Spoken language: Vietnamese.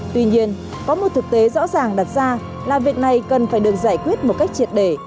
tuy nhiên có một thực tế rõ ràng đặt ra là việc này cần phải được giải quyết một cách triệt để